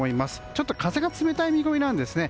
ちょっと風が冷たい見込みなんですね。